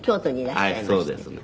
はいそうですね。